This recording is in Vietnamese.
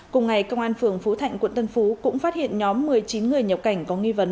cùng ngày công an phường phú thạnh quận tân phú cũng phát hiện nhóm một mươi chín người nhập cảnh có nghi vấn